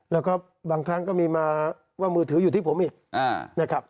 แล้วก็บางครั้งก็มีมาว่ามือถืออยู่ที่ผมอีกนะครับ